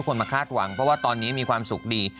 เพราะว่าตอนนี้มีความสุขดี